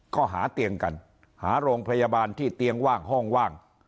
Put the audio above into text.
ก็หาเตียงกันหาโรงพยาบาลที่เตียงว่างห้องว่าง